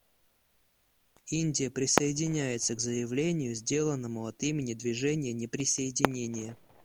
Индия присоединяется к заявлению, сделанному от имени Движения неприсоединения.